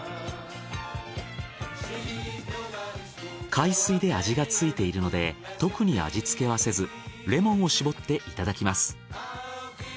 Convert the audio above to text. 海水で味がついているので特に味つけはせずレモンを搾っていただきます。